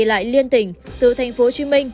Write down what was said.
đi lại liên tỉnh từ tp hcm